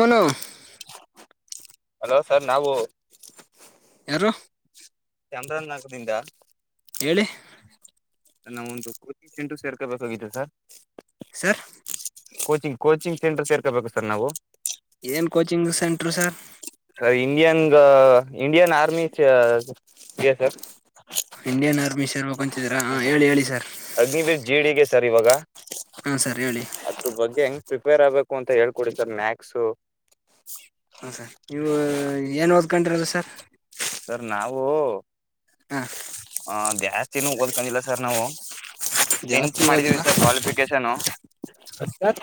Manu hello sir ನಾವು ಯಾರು ಚಾಮ್ರನ್ ನಗರದಿಂದ ಹೇಳಿ ನಾವ ಒಂದು ಕೋಚಿಂಗ್ ಸೆಂಟು ಸೇರ್ಕಬೇಕಾಗಿತ್ತು sir sir coaching coaching centre ಸೇರ್ಕಬೇಕು ಸರ್ ನಾವು ಏನ್ coaching centre sir sir Indian Indian army ಚ ಸರ್ ಇಂಡಿಯನ್ ಆರ್ಮಿ ಸೇರಬಕಂತಿದೀರಾ ಹಾ ಹೇಳಿ ಹೇಳಿ ಸರ್ ಅಗ್ನಿವೀರ್ ಜಿ ಡಿಗೆ ಸರ್ ಇವಾಗ ಹಾ ಸರ್ ಹೇಳಿ ಅದ್ರ ಬಗ್ಗೆ ಹೆಂಗ್ ಪ್ರಿಪೇರ್ ಆಗ್ಬೇಕು ಏನು ಅಂತ ಹೇಳ್ಕೊಡರ್ ಸರ್ ಮ್ಯಾಚ್ಸ್ ಹಾ ಹಾ ನೀವು ಏನ್ ಓದ್ಕೊಂಡರದ ಸರ್ ಸರ್ ನಾವು ಹಾ ಹ ಜಾಸ್ತಿನೂ ಓದಕೊಂದಿಲ್ಲ ಸರ್ ನಾವು ಟೆಂತ್ ಜಾಸ್ತಿ ಮಾಡಿದೀವಿ ಓದಿಲ್ಲ sir qualification. Sir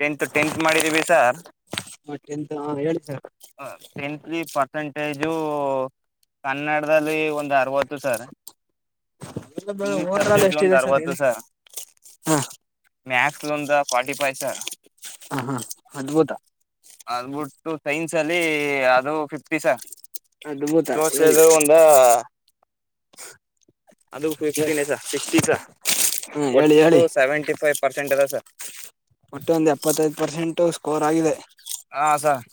tenth tenth ಮಾಡಿದೀವಿ ಸಾರ್ ಟೆಂತ್ ಹಾ ಹೇಳಿ ಸರ್ ಟೆಂತ್ಲಿ ಪರ್ಸೆಂಟೇಜು ಕನ್ನಡದಲ್ಲಿ ಒಂದ್ ಅರವತ್ತು sir English over all subject ಒಂದ ಎಷ್ಟಿದೆ ಅರವತ್ತು ಹೇಳಿ ಸರ್ ಹಾ ಮ್ಯಾಕ್ಸ್ ಒಂದ ಫೋರ್ಟಿ ಫೈವ್ ಸರ್ ಹ ಹಾ ಅದ್ಭುತ ಅದ್ಬಿಟ್ಟು ಸೈನ್ಸ್ ಅಲ್ಲಿ ಅದು ಫಿಫ್ಟಿ ಸರ್ ಅದ್ಭುತ ಹೇಳಿ ದೋಸೆದ ಒಂದು ಅದು ಫಿಫ್ಟೀನ್ಸ ಹಾ ಸಿಕ್ಸ್ಟಿ ಹೇಳಿ ಒಟ್ಟು ಹೇಳಿ ಸೆವೆಂಟಿ ಫೈವ್ ಪರ್ಸೆಂಟೆಜ್ ಒಟ್ಟು ಒಂದು ಎಪ್ಪತ್ತೈದು ಪರ್ಸೆಂಟ್ ಸ್ಕೋರ್ ಆಗಿದೆ. ಹಾ ಸರ್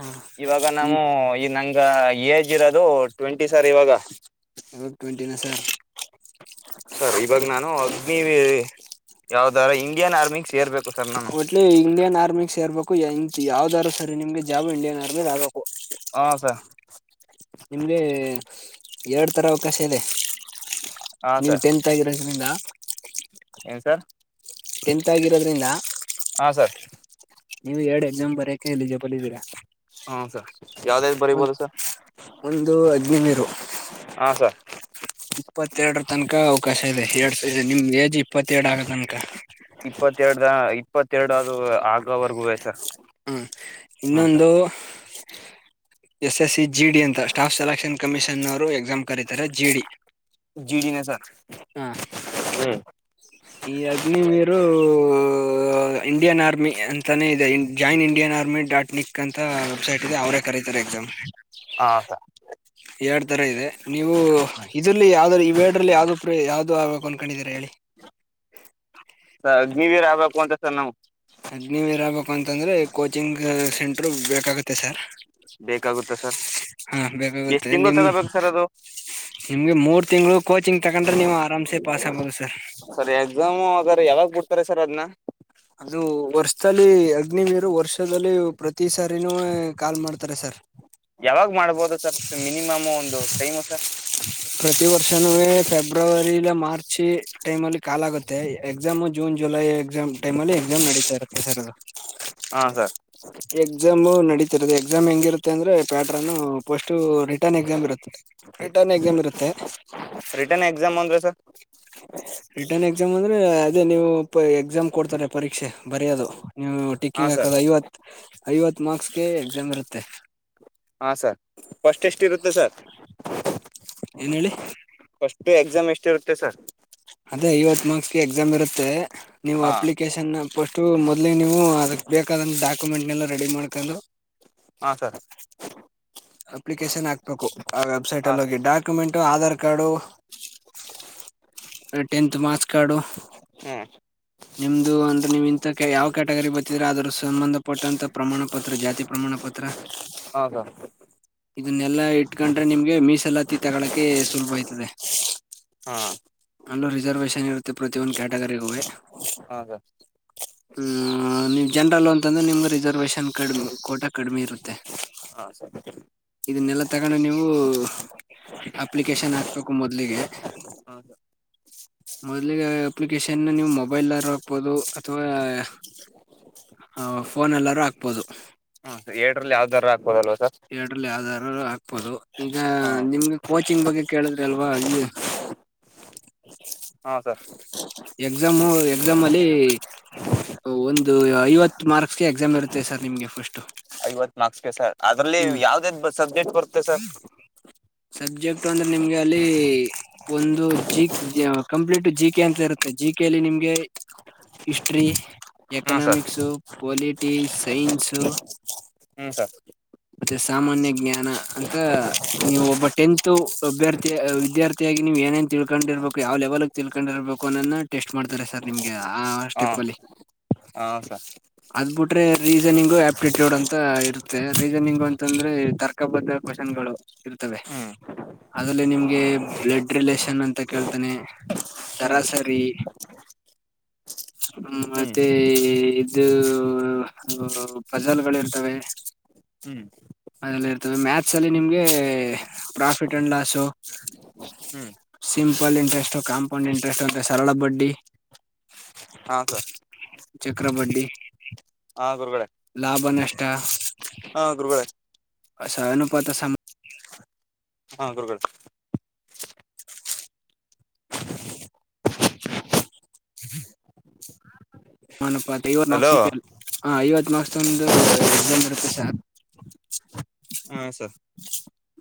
ಹಾ ಇವಾಗ ಈ ನಾವು ಈ ನಂಗ ಈಗ ಏಜ್ ಇರೋದು ಟ್ವೆಂಟಿ ಸರ್ ಇವಾಗ ಟೂ ಟ್ವೆಂಟಿ ನಾ ಸರ್ ಇವಾಗ ನಾನು ಅಗ್ನಿ ಯಾವ್ದಾರ ಇಂಡಿಯನ್ ಆರ್ಮಿ ಸೇರ್ಬೇಕು ಸರ್ ನಾನು ಒಟ್ಲಿ ಇಂಡಿಯನ್ ಆರ್ಮಿ ಸೇರ್ಬೇಕು ಇ ಯಾವ್ದಾರರು ಸರಿ ನಿಮ್ಗೆ ಜಾಬ್ ಇಂಡಿಯನ್ ಆರ್ಮಿದ ಆಗಬೇಕು ಹಾ ಸರ್ ನಿಮ್ಗೆ ಎರಡ್ ತರ ಅವಕಾಶ ಇದೆ. ಹಾ ನೀವು ಸರ್ ಟೆಂತ್ ಆಗಿರೋದ್ರಿಂದ ಏನ್ ಸರ್ ಟೆಂತ್ ಆಗಿರೋದ್ರಿಂದ ಹಾ ಸರ್ ನೀವು ಎರಡು ಎಕ್ಸಾಮ್ ಬರಕೆ ಇಲ್ಲಿ ಎಲ್ಲಿಜಿಬಲ್ ಇದ್ದೀರಾ ಹಾ ಸರ್ ಯಾವ್ದ್ದು ಒ ಬರಿಬೋದು ಸರ್ ಒಂದು ಅಗ್ನಿವೀರು ಹಾ ಸರ್ ಇಪ್ಪತ್ತೆರಡರ ತನಕ ಅವಕಾಶ ಇದೆ ಎರಡ್ ಸ ಇದೆ ನಿಮ್ ಏಜ್ ಇಪ್ಪತ್ತೆರಡು ಆಗ ತನಕ ಇಪ್ಪತ್ತೆರಡಾ ಇಪ್ಪತ್ತೆರಡುದು ಆಗವರೆಗೂ ಸರ್ ಹ್ಮ್ ಹಾ ಸರ್ ಇನ್ನೊಂದು ಎಸ್ ಎಸ್ ಸಿ ಜಿಡಿ ಅಂತ ಸ್ಟಾಫ್ ಸೆಲೆಕ್ಷನ್ ಕಮಿಷನ್ನವರು ಎಕ್ಸಾಮ್ ಕರೀತಾರೆ ಜಿಡಿ ಜಿಡಿನೇ ಸರ್ ಹಾ ಹ್ಮ್ ಈ ಅಗ್ನಿವಿರು ಇಂಡಿಯನ್ ಆರ್ಮಿ ಅಂತಾನೇ ಇದೆ join Indian army dot nic ಅಂತ ವೆಬ್ಸೈಟ್ ಇದೆ ಅವರೇ ಕರಿತಾರೆ ಎಕ್ಸಾಮ್ ಹಾ ಸರ್ ಎರಡ್ ತರ ಇದೆ ನೀವು ಇದಲ್ಲಿ ಯಾವ್ದರ ವೇಡ್ರಲ್ಲಿ ಯಾವ್ದು ಪ್ರ ಯಾವ್ದದು ಆಗ್ಬೇಕು ಅನ್ಕೊಂಡಿದೀರ ಹೇಳಿ ಸರ್ ಅಗ್ನಿವಿರ್ ಆಗ್ಬೇಕು ಅಂತ ಸರ್ ನಾವು ಅಗ್ನಿವಿರ್ ಆಗಬೇಕು ಅಂತಂದ್ರರೆ ಕೋಚಿಂಗ್ ಸೆಂಟರು ಬೇಕಾಗುತ್ತೆ ಸರ್ ಬೇಕಾಗುತ್ತ ಸರ್ ಹಾ ಎಷ್ಟ್ ಬೇಕಾಗುತ್ತೆ ತಿಂಗಳು ನಿಮ್ ತಗೋಬೇಕು ಸರ್ ಅದು ನಿಮ್ಗೆ ಮೂರ್ ತಿಂಗಳು ಕೋಚಿಂಗ್ ತಗೊಂಡ್ರೆ ನೀವು ಆರಾಮ್ಸೆ ಪಾಸ್ ಆಗ್ಬೋದು ಸರ್ ಸರ್ ಯಾವಾಗ್ ಬಿಡ್ತಾರೆ ಸರ್ ಅದನ್ನ ಅದು ವರ್ಷದಲ್ಲಿ ಅಗ್ನಿವೀರು ವರ್ಷದಲ್ಲಿ ಪ್ರತಿ ಸಾರಿನೂ ಕಾಲ್ ಮಾಡ್ತ ಸರ್ ಯಾವಾಗ್ ಮಾಡ್ಬೋದು ಸರ್ ಮಿನಿಮಾಮ್ ಒಂದು ಟೈಮ್ ಸರ್ ಪ್ರತಿ ವರ್ಷನುವೆ ಫೆಬ್ರವರಿ ಇಲ್ಲ ಮಾರ್ಚ್ ಆ ಟೈಮ್ ಅಲ್ಲಿ ಕಾಲಾಗುತ್ತೆ ಎಕ್ಸಾಮ್ ಜೂನ್ ಜುಲೈ ಎಕ್ಸಾಮ್ ಟೈಮಲ್ಲಿ ಎಕ್ಸಾಮ್ ನೆಡಿತಾ ಇರುತ್ತೆ ಸರ್ ಹಾ ಸರ್ ಎಕ್ಸಾಮ್ ನೆಡಿ ಎಕ್ಸಾಮ್ ಹೆಂಗಿರುತ್ತೆ ಅಂದ್ರೆ ಪ್ಯಾಟ್ರನ್ ಪಫೋಸ್ಟ್ ರಿಟರ್ನ್ ಎಕ್ಸಾಮ್ ಇರುತ್ತೆ ರಿಟರ್ನ್ ಎಕ್ಸಾಮ್ ಇರುತ್ತೆ ರಿಟರ್ನ್ ಎಕ್ಸಾಮ್ ಅಂದ್ರೆ ಸರ್ ರಿಟರ್ನ್ ಎಕ್ಸಾಮ್ ಅಂದ್ರೆ ಅದೇ ನೀವು ಎಕ್ಸಾಮ್ ಕೊಡ್ತಾರೆ ಪರೀಕ್ಷೆ ಬರಿಯೋದು ನೀವು ಹಾ ಟೀಕ್ಕಿಂಗ್ ಸರ್ ಹಾಕದ ಐವತ್ ಐವತ್ ಮಾರ್ಕ್ಸ್ಗೆ ಎಕ್ಸಾಮ್ ಇರುತ್ತೆ ಹಾ ಸರ್ ಫ್ರಿಸ್ಟ್ ಎಷ್ಟಿರುತ್ತೆ ಸರ್ ಏನ್ ಹೇಳಿ ಫ್ರಿಸ್ಟ್ ಎಕ್ಸಾಮ್ ಎಷ್ಟ ಇರುತ್ತೆ ಸರ್ ಅದೇ ಐವತ್ತು ಮಾರ್ಕ್ಸ್ಗೆ ಎಕ್ಸಾಮ್ ಇರುತ್ತೆ ನೀವು ಹಾ ಅಪ್ಲಿಕೇಶನ್ ಫಸ್ಟ್ ಮೊದ್ಲಿಗೆ ನೀವು ಅದಕ್ ಬೇಕಾದಂತ ಡಾಕ್ಯುಮೆಂಟ್ನೆಲ್ಲ ರೆಡಿ ಮಾಡ್ಕೊಂಡು ಹಾ ಸರ್ ಅಪ್ಲಿಕೇಶನ್ ಹಾಕ್ಬೇಕು ಆ ವೆಬ್ಸೈಟ್ ಹಾ ಅಲ್ಲಿ ಸರ್ ಹೋಗಿ document Aadhaar card tenth marks card ಹ್ಮ್ ನಿಮ್ದು ಅಂದ್ರೆ ನೀವ್ ಇಂತ ಯಾವ್ ಕ್ಯಾಟಗರಿ ಬರ್ತಿದ್ರೆ ಅದ್ರ ಸಂಬಂಧಪಟ್ಟಂತ ಪ್ರಮಾಣ ಪತ್ರ ಜಾತಿ ಪ್ರಮಾಣ ಪತ್ರ [unintelligible] ಹೌದಾ ಇದನ್ನೆಲ್ಲಾ ಇಟ್ಕೊಂಡ್ರೆ ನಿಮ್ಗೆ ಮೀಸಲಾತಿ ತಗಳಕೆ ಸುಲಭ ಆಯ್ತದೆ ಹಾ ಅಲ್ಲೂ ರಿಸರ್ವೇಷನ್ ಇರುತ್ತೆ ಪ್ರತಿಯೊಂದು ಕ್ಯಾಟಗರಿಗೂ ಹಾ ಸರ್ ಹ್ಮ್ ನೀವ್ ಜನರಲ್ ಅಂತಂದ್ರೆ ನಿಮ್ಗೆ ರಿಸರ್ವೇಶನ್ ಕಡ್ಮಿ ಕೋಟ ಕಡಿಮೆ ಇರುತ್ತೆ ಹಾ ಸರಿ ಇದನ್ನೆಲ್ಲ ತಗೊಂಡು ನೀವು ಅಪ್ಲಿಕೇಶನ್ ಹಾಕ್ಬೇಕು ಮೊದ್ಲಿಗೆ ಹಾ ಸರ್ ಮೊದಲಿಗೆ ಅಪ್ಲಿಕೇಶನ್ ನೀವು ಮೊಬೈಲ್ ಲಾರು ಹಾಕ್ಬೋದು ಅಥವಾ ಹ ಫೋನ್ ಅಲ್ಲಾರೂ ಹಾಕ್ಬೋದು ಹ್ಮ ಏಡ್ರಲ್ಲಿ ಯಾವ್ದಾರ ಆಗ್ಬೋದಲ್ವ ಸರ್ ಎಡ್ರಲ್ಲಿ ಯಾವ್ದಾದಾರರು ಆಕ್ಬೋದು ಈಗ ಹಾ ನಿಮ್ಗೆ ಕೋಚಿಂಗ್ ಬಗ್ಗೆ ಕೇಳಿದ್ರಿ ಅಲ್ವಾ [unintelligible] ಹಾ ಸರ್ ಎಕ್ಸಾಮು ಎಕ್ಸಾಮ್ ಅಲ್ಲಿ ಒಂದು ಐವತ್ತು ಮಾರ್ಕ್ಸ್ಗೆ ಎಕ್ಸಾಮ್ ಇರುತ್ತೆ ಸರ್ ನಿಮ್ಗೆ ಫಸ್ಟು ಐವತ್ ಮಾರ್ಕ್ಸ್ಗೆ ಸರ್ ಅದ್ರಲ್ಲಿ ಯಾವ್ದ ಸಬ್ಜೆಕ್ಟ್ ಬರುತ್ತೆ ಸರ್ ಸಬ್ಜೆಕ್ಟ್ ಅಂದ್ರೆ ನಿಮ್ಗೆ ಅಲ್ಲಿ ಒಂದು ಜ‌ಕೆ ಕಂಪ್ಲೀಟ್ ಜಿ ಕೆ ಅಂತ ಇರುತ್ತೆ ಜಿ ಕೆಲ್ಲಿ ನಿಮ್ಗೆ ಹಿಸ್ಟ್ರಿ ಹಾ ಸರ್ ಎಕನಾಮಿಕ್ಸ್ ಪೊಲಿಟಿಸ್ ಸೈನ್ಸು ಹ್ಮ್ ಸರ್ ಮತ್ತೆ ಸಾಮಾನ್ಯ ಜ್ಞಾನ ಅಂತ ನೀವು ಒಬ್ಬ ಟೆಂತ್ ಅಭ್ಯಥಿ ವಿದ್ಯಾರ್ಥಿಯಾಗಿ ನೀವು ಏನೇನ್ ತಿಳ್ಕೊಂಡಿರ್ಬೇಕು ಯಾವ ಲೆವೆಲ್ ಗ್ ತಿಳ್ಕೊಂಡಿರ್ಬೇಕು ಕನನ್ನ ಟೆಸ್ಟ್ ಮಾಡ್ತಾರೆ ಸರ್ ನಿಮ್ಗೆ ಆ ಹಾ ಸ್ಟೆಪ್ ಅಲ್ಲಿ ಹಾ ಸರ್ ಅದ್ ಬಿಟ್ರೆ ರೀಸನಿಂಗು ಆಪ್ಟಿಟ್ಯೂಡ್ ಅಂತ ಇರುತ್ತೆ ರೀಸನಿಂಗ್ ಅಂತಂದ್ರೆ ತರ್ಕ ಬದ್ಧ ಕ್ವಶನ್ಗಳು ಇರ್ತವೆ ಹ್ಮ್ ಅಲ್ಲಿ ನಿಮ್ಗೆ ಬ್ಲಡ್ ರಿಲೇಷನ್ ಅಂತ ಕೇಳ್ತಾನೆ ಸರಾಸರಿ ಹ್ಮ್ [unintelligible] ಹ್ಮ ಹ್ಮ್ ಮತ್ತೆ ಇದು ಫಜಲ್ಗಳು ಇರ್ತವೆ ಹ್ಮ್ ಅದೆಲ್ಲ ಇರ್ತವೇ ಮಾಥ್ಸ್ ಸ ಅಲ್ಲಿ ನಿಮ್ಗೆ profit and loss hmm simple interest compound interest ಸರಳ ಬಡ್ಡಿ ಹಾ ಸರ್ ಚಕ್ರಬಡ್ಡಿ ಹಾ ಗುರ್ಗಳೆ ಲಾಭ ನಷ್ಟ ಹಾ ಗುರುಗಳೆ ಅಸ ಅನುಪಾತ ಹಾ ಗುರ್ಗಳೆ ಮನಪ್ಪಾ ಇವತ್ತು ಹಲೋ ನಾಲ್ಕ್ ಹ ಇವತ್ತು [unintelligible] ಅಸ್ಟೂಂದು ಎಕ್ಸಾಮ್ ಇರುತ್ತೆ ಸರ್ ಹಾ ಸರ್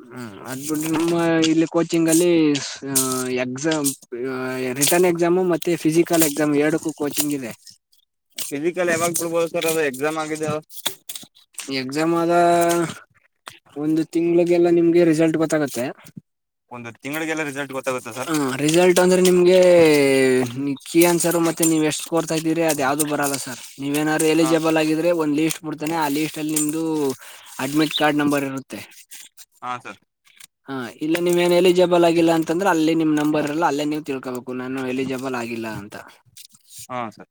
ಹ್ಮ ಅದು ಬಿಟ್ರೆ ನಮ್ಮ ಇಲ್ಲಿ ಕೋಚಿಂಗ ಅಲ್ಲಿ ಎಕ್ಸಾಮ್ ರಿಟರ್ನ್ ಎಕ್ಸಾಮು ಮತ್ತೆ ಫಿಸಿಕಲ್ ಎಕ್ಸಾಮ್ ಎರಡಕ್ಕೂ ಕೋಚಿಂಗ್ ಇದೆ ಫಿಸಿಕಲ್ ಯಾವಾಗ ಬಿಡ್ಬೋದು ಸರ್ ಅದು ಎಕ್ಸಾಮ್ ಆಗಿದೆ ಎಕ್ಸಾಮ್ ಆದ ಒಂದು ತಿಂಗ್ಳಿಗೆಲ್ಲ ನಿಮ್ಗೆ ರಿಸಲ್ಟ್ ಗೊತ್ತಾಗತ್ತೆ ಒಂದು ತಿಂಗಳಿಗೆಲ್ಲ ರಿಸಲ್ಟ್ ಗೊತ್ತಾಗುತ ಸರ್ ಹ ರಿಸಲ್ಟ್ ಅಂದ್ರೆ ನಿಮ್ಗೆ ಕನ್ ಸರ್ ಮತ್ತೆ ನೀವ ಎಷ್ಟು ಕೋರ್ತಾ ಇದ್ದೀರಿ ಅದ ಯಾವ್ದು ಬರಲ್ಲ ಸರ್ ನೀವ [unintelligible] ಏನಾದ್ರು ಹಾ ಸರ್ ಎಲಿಜಿಬಲ್ ಆಗಿದ್ರೆ ಒಂದು ಲೀಸ್ಟ್ ಬಿಡ್ತಾನೆ ಆ ಲೀಸ್ಟ್ ಅಲ್ಲಿ ನಿಮ್ದು ಅಡ್ಮಿಟ್ ಕಾರ್ಡ್ ನಂಬರ್ ಇರುತ್ತೆ ಹಾ ಸರ್ ಹಾ ಇಲ್ಲಿ ನೀವ್ೇಏನ್ ಎಲಿಜಿಬಲ್ ಆಗಿಲ್ಲ ಅಂತಂದ್ರೆ ಅಲ್ಲಿ ನಿಮ್ ನಂಬರ್ ಇಲ್ಲ ಅಲ್ಲೇ ನೀವು್ ತಿಳ್ಕೋಬೇಕು ನಾನು ಎಲಿಜಿಬಲ್ [unintelligible] ಆಗ ಆಗಿಲ್ಲ ಅಂತ ಹಾ ಸರ್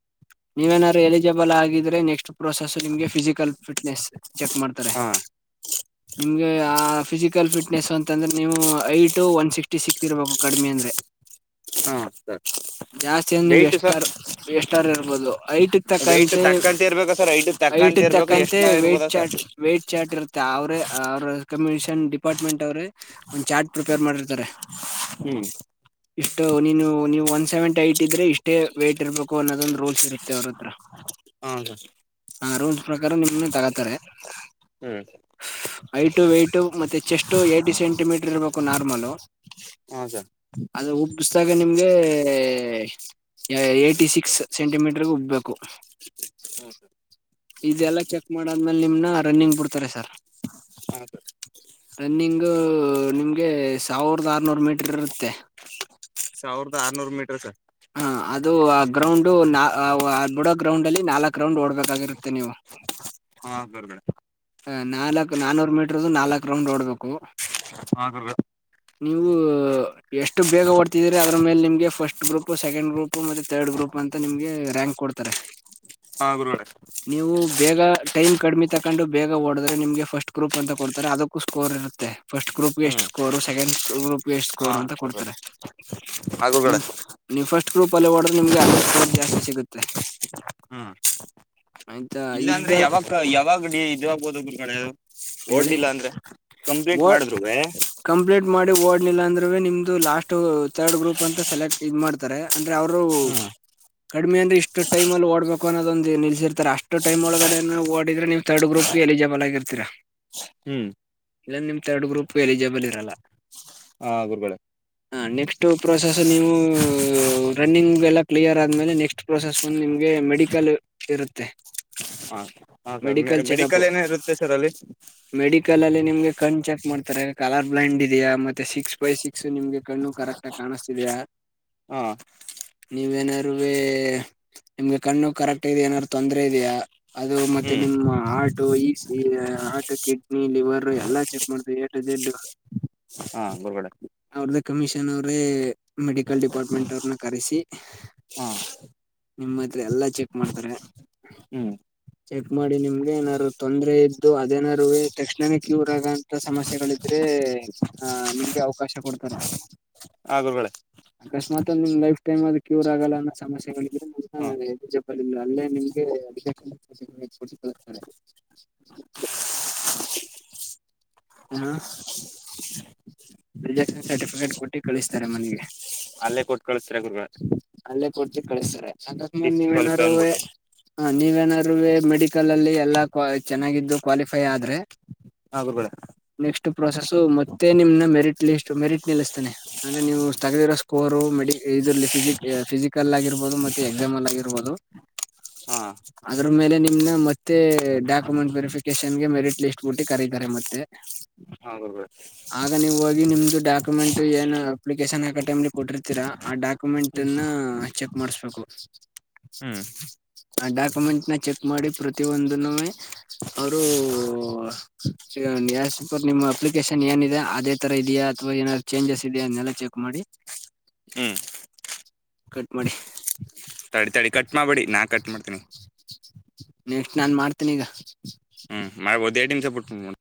ನೀವೇನಾದಾರರು ಎಲಿಜಿಬಲ್ ಆಗಿದ್ರೆ ನೆಕ್ಸ್ಟ್ ಪ್ರೋಸೆಸ್ ನಿಮ್ಗೆ ಫಿಸಿಕಲ್ ಫಿಟ್ನೆಸ್ ಚೆಕ್ ಮಾಡ್ತಾರೆ ಹಾ ನಿಮ್ಗೆ ಆ ಫಿಸಿಕಲ್ ಫಿಟ್ ಿಟ್ನೆಸ್ ಅಂತಂದ್ರೆ ನೀವು ಐಟು ಒನ್ ಸಿಕ್ಸ್ಟಿ ಸಿಕ್ತಿರ್ಬೇಕು ಕಡಿಮೆ ಅಂದ್ರೆ ಹಾ ಸರಿ ಜಾಸ್ತಿ ನೀವು ಎಷ್ಟಾರ್ ಎಸ್ಾರ್ ಇರ್ಬೋದು ಐಟ್ ವೆಯ್ಟ್ ತಕ್ಕಂತೆ ತಕ್ಕಂತ ಇರ್ಬೇಕಾ ಸರ್ ಹೈಟ್ ಐಟ್ ತಕ್ಕಂತ ಇರ್ಬೇಕಾ ಎಷ್ಟ್ ತಕ್ಕಂತೆ ನಾವ್ ವೇ್ಟಟ್ ಇರ್ಬೋದಾ ಸರ್ ಚಾ್ಟ ವೆಯ್ಟಟ್ ಚಾ್ಟ್ ಇರುತ್ತೆ ಅವ್ರೇ ಅವ ರೆಕಮೆಂಡೇಶನ್ ಡಿಪಾರ್ಟ್ಮೆಂಟ್ ಅವ್ರೇ ಒಂದ್ ಚಾರ್ಟ್ ಪ್ರಿಪೇರ್ ಮಾಡಿರ್ತಾರೆ ಹ್ಮ ಇಷ್ಟು ನೀನು ನೀವು ಒನ್ ಸೆವೆಂಟಿ ಐಟ್ ಇದ್ರೆ ಇಷ್ಟೇ ವೇಟ್ ಇರ್ಬೇಕು ಅನ್ನೋದೊಂದು ರೂಲ್ಸ್ ಇರುತ್ತೆ ಅವ್ರ ಹತ್ರ ಹ ಹಾ ರೋಲ್ಸ್ ಪ್ರಕಾರ ನಿಮ ತಗತಾರೆ ಹ್ಮ್ ಐಟು ವೈಟು ಮತ್ತೆ ಚೆಸ್ಟು ಏಟು ಸೆಂಟಿಮೀಟರ್ ಇರ್ಬೇಕು ನಾರ್ಮಲು ಹಾ ಸರ್ ಅಲ್ಲಿ ಉಬ್ಿಸ್ದಾಗ ನಿಮ್ಗೆ ಏ್ಟಿ ಸಿಕ್ಸ್ ಸೆಂಟಿಮೀಟರ್ಗೆ ಉಬ್ಬೇಕು ಹಾ ಇದೆಲ್ಲ ಚೆಕ್ ಮಾಡಾದ್ಮೇಲೆ ನಿಮ್ನ ರನ್ನಿಂಗ್ ಬಿಡ್ತಾರೆ ಸರ್ ಸರ್ ರನ್ನಿಂಗು ನಿಮ್ಗೆ ಸಾವಿರದ ಆರ್ನೂರು ಮೀಟರ್ ಇರುತ್ತೆ ಸೌರ್ದ ಆರ್ನೂರು ಮೀಟರ್ ಸರ್ ಹ ಅದು ಗ್ರೌಂಡು ಬಿಡೋ ಗ್ರೌಂಡ್ ಅಲ್ಲಿ ನಾಲ್ಕ್ು ಗ್ರೌಂಡ್ ಓಡ್ಬೇಕಾಗಿರುತ್ತೆ ನೀವು ಹಾ ಗುರುಗಳೇ ನಾಲ್ಕು ನಾಾನೂರು ಮೀಟ್ರದುು ನಾಲ್ಕು ರೌಂಡ್ ನೋಡ್ಬೇಕು ಹ ಗುರುಗಳೇ ನೀವು ಎಷ್ಟು ಬೇಗ ಹೊಡ್ತಿದ್ರ ಅದ್ರ ಮೇಲೆ ನಿಮ್ಗೆಫಸ್ಟ್ ಗ್ರೂಪ್ ಸೆಕೆಂಡ್ ಗ್ರೂಪ್ ಮತ್ತೆ ತರ್ಡ್ ಗ್ರೂಪ್ ಅಂತ ನಿಮ್ಗೆ ರಂ ಹೆ್ ಕೊಡ್ತಾರೆ ಹಾ ಗುರುಗಳೇ ನೀವು ಬೇಗ ಟೈಮ್ ಕಡಿಮೆ ತಕೊಂಡು ಬೇಗ ಓಡಿದ್ರೆಮಗೆ ಫಸ್ಟ್ ಗ್ರೂಪ್ ಅಂತ ಕೊಡ್ತಾರೆ ಅದಕ್ಕೂ ಸ್ಕೋರ್ ಇರುತ್ತೆ ಫಸ್ಟ್ ಗ್ರೂಪ್ಗೆ ಎಷ್ಟು ಹ್ಮ್ ಸ್ಕೋರ್ ಸೆಕೆಂಡ್ ಗ್ರೂಪ್ ಹಾ ಸ್ಕೋರ್ ಅಂತ ಗುರುಗಳೇ ಕೊಡ್ತಾರೆ ಹಾ ನೀವು ಗುರುಗಳೇ ನೀವು ಫಸ್ಟ್ ಎಷ್ಟ ರೂಪಲ್ಲಿ ಓಡ್ರೆ ನಿಮ್ಗೆ ಅಲ್ಲೋ ಸ್ಕೋರ್ ಜಾಸ್ತಿ ಸಿಗುತ್ತೆ ಆಯ್ತಾ ಇದ್ದ ಇಲ್ಲಾಂದ್ರೆ ಯಾವಕ್ಕ ಯಾವಾಗಡಿ ಇದು ಆಗಬಹುದು ಗುರುಗಳೇ ಹೇಳಿ ಒಡ್ಡಿಲ್ಲ ಅಂದ್ರೆ ಕಂಪ್ಲೀಂಟ್ ಓಡ್ ಮಾಡಿದ್ರುವೆ ಕಂಪ್ಲೀಟ್ ಮಾಡಿ ಓಡ್ನಿಲ್ಲ ಅಂದ್ರ ನಿಮ್ದು ಲಾಸ್ಟ್ ತರ್ಡ್ ಗ್ರೂಪ್ ಅಂತ ಸೆಲೆಕ್ಟ್ ಇದ ಮಾಡ್ತಾರೆ ಅಂದ್ರೆ ಅವರು ಹ್ಮ್ ಕಡಿಮೆ ಅಂದ್ರೆ ಇಷ್ಟ ಟೈಮ್ಲ್ಲಿ ಓಡ್ಬೇಕು ಅನ್ನೋೊ ಒಂದು ನಿಲ್ಸಿರ್ತಾರೆ ಅಷ್ಟು ಟೈ್ ಒಳಗಡೆ ಓಡ್ರೆ ನೀವು ತರ್ಡ್ ಗ್ರೂಪ್ ಎಲಿ ಜಬಾಲ ಆಗರ್ತೀರಾ ಹ್ಮ್ ಇಲ್ಲ ನಿಮ ಥರ್ಡ್ ಗ್ರೂಪ್ ಎಲಿಜಿಬಲ್ ಇರಲ್ಲ ಹ ಗುರುಗಳೇ ಹ ನೆಕ್ಸ್ಟ್ ಪ್ರೊಸೆಸ್ ನೀವು ರನ್ನಿಂಗ್ ಎಲ್ಲಾ ಕ್ಲಿಯರ್ ಆದ್ಮೇಲೆ ನೆಕ್ಸ್ಟ್ ಪ್ರೊಸೆಸ್ ಬಂದು ನಿ ನಿಮ್ಗೆ ಮೆಡಿಕಲ್ ಇರುತ್ತೆ ಹಾ ಹಾ ಸರ್ ಮ ಮೆಡಿಕಲ್ ಏನ ಇರುತ್ತೆ ಸರ್ ಅಲ್ಲಿ ಮೆಡಿಕಲ್ ಅಲ್ಲಿ ನಿಮ್ಗೆ ಕಣ್ ಚೆಕ್ ಮಾಡ್ತಾರೆ ಕಲರ್ ಬ್ಲೈಂಡ್ ಇದೆಯಾ ಮತ್ತೆ ಸಿಕ್ಸ್ ಬೈ ಸಿಕ್ಸ್ ನಿಮ್ಗೆ ಕಣ್ಣು ಕರೆಕ್ ಆಗಿ ಕಾಣಿಸ್ತಿದೆಯಾ ಹ ನೀವೇನಾರೇ ನಿಮ್ಗೆ ಕಣ್ಣು ಕರೆಕ್ಟ್ ಆಗ ಏನಾದರು ತೊಂದ್ರ ಇದೆಯಾ ಅದು ಮತ್ತೆ ಹ್ಮ್ ನಿಮ್ಮ ಹಾರ್ಟ್ ಈ ಹಾರ್ಟ್ ಕಿಡ್ನಿ ಲಿವರ್ ಎಲ್ಲಾ ಚೆಕ್ ಮಾಡ್ತವಿ ಎ ಟೂ ಝಡ್ ಹಾ ಗುರುಗಳೇ ಅವ್ರ್ದ ಕಮಿಷನ್ ಅವ್ರೇ ಮೆಡಿಕಲ್ ಡಿಪಾರ್ಟ್ಮೆಂಟ್ ಅವ್ರನ್ನ ಕರ್ಸಿ ಹಾ ನಿಮ್ಮತ್ ಎಲ್ಲಾ ಚೆಕ್ ಮಾಡ್ತಾರೆ ಹ್ಮ್ ಚೆಕ್ ಮಾಡಿ ನಿಮ್ಗೆ ಏನಾರು ತೊಂದ್ರೆ ಇದ್ದು ಅದೇನಾರರುವೆ ತಕ್ಷಣನೇ ಕ್ಯೂರ್ ಆಗಂತ ಸಮಸ್ಯೆಗಳಿದ್ರೆ ಆ ನಿಮ್ ಅವಕಾಶ ಕೊಡ್ತಾರ ಆ ಗುರಗಳೆ ಅಕಸ್ಮಾತ್ ನಿಮ್ ಲೈಫ್ ಟೈಮ್ ಅದು ಕ್ಯೂರ್ ಆಗಲ್ಲ ಅನ್ನೋ ಸಮಸ್ಯೆಗಳಿದ್ರೆ ಹಾ ನಮ್ಮಜಪಿಲ್ಲ ಅಲ್ಲೇ ನಿಮ್ಗೆ ನಿಮ್ ಹೆಲ್ತ್ ಬಗ್ಗೆ ಇರುತ್ತೆ ಹಾ ರಿಜೆಕ್ಷನ್ ಸರ್ಟಿಫಿಕೇಟ್ ಕೊಟ್ಟಿ ಕಳಿಸ್ತಾರೆ ಮನೆಗೆ ಅಲ್ಲೇ ಕೊಟ್ಕಕಳಸ್ತಾರ ಗುರುಗಳೇ ಅಲ್ಲೇ ಕೊಟ್ಟ ಕಳಸ್ತಾರೆ ಅಕಸ್ಮಾತ ಡಿಸ್ಕ್ವಾಲಿಫೈ ನೀವೇನಾರುವೆ ಅನ್ಬಿಟ್ಟು ಹ ನೀವೇನಾರ ಮೆಡಿಕಲ್ ಅಲ್ಲಿ ಎಲ್ಲಾ ಕ್ವಾ ಚೆನ್ನಾಗಿದ್ದು ಕ್ವಾಲಿಫೈ ಆದ್ರೆ ಹ ಗುರುಗಳೇ ಪ್ರೊಸೆಸ್ ಮತ್ತೆ ನಿಮ್ನ ಮೆರಿಟ್ ಲಿಸ್ಟ ಮೆರಿಟ್ ನಿಲ್ಲಿಸತಾನೆ ಅಂದ್ರೆ ನೀವು ತಗದಿರೋ ಸ್ಕೋರು ಮೆ ಇದ್ರಲ್ಲಿ ಫಿಸಿಕ್ ಫಿಸಿಕಲ್ ಆಗಿರ್ಬಹದು ಮತ್ತೆ ಎಕ್ಸಾಮ್ ಅಲ್ಲಿ ಆಗಿರ್ಬಹದು ಹಾ ಅದ್ರ ಮೇಲೆ ನಿಮ್ನ ಮತ್ತೆ ಡಾಕ್ಯುಮೆಂಟ್ ವೆರಿಫಿಕೇಶನ್ಗೆ ಮೆರಿಟ್ ಲಿಸ್ಟ್ ಬುಟ್ಟಿ ಕರೀತಾರೆ ಮತ್ತೆ ಹೌದಾ ಆಗ ನೀವು ಹೋಗಿನಿಮ್ದು ಡಾಕ್ಯುಮೆಂಟ್ ಏನು ಅಪ್ಲಿಕೇಶನ್ ಹಾಕೋ ಟೈಮಲ್ಲಿ ಕೊಟ್ಟಿರ್ತೀರ ಆ ಡಾಕ್ಯುಮೆಂಟ್ನ ನಾ ಚೆಕ್ ಮಾಡಸಬೇಕು ಹ್ಮ್ ಆ ಡಾಕ್ಯುಮೆಂಟ್ನ ಚೆಕ್ ಮಾಡಿ ಪ್ರತಿ ಒಂದನ್ನುವೆ [inaudible] ಅವರು ಆಸ್ ಪರ್ ನಿಮ್ಮ ಅಪ್ಲಿಕೇಶನ್ ಏನಿದೆ ಅದೇ ತರ ಇದಿಯಾ ಅಥವಾ ಏನಾದ್ರು ಚೇಂಜಸ್ ಇದಿಯಾ ಅದನ್ನೆಲ್ಲ ಚೆಕ್ ಮಾಡಿ ಹ್ಮ್ ಕಟ್ ಮಾಡಿ ತಡಿ ತಡಿ ಕಟ್ ಮಾಡಬೇಡಿ ನಾನ್ ಕಟ್ ಮಾಡ್ತೀನಿ ನೆಕ್ಸ್ಟನಾನ್ ಮಾಡ್ತಿನಿ ಈಗ ಮಾಡ ಒಂದ ಎರಡ ನಿಮಿಷ ಬಿಟ್ಟ ಮಾಡ